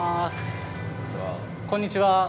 こんにちは。